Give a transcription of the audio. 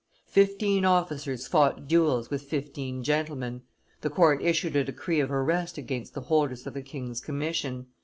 Fifteen officers fought duels with fifteen gentlemen. The court issued a decree of arrest against the holders of the king's commission.